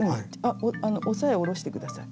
押さえ下ろして下さい。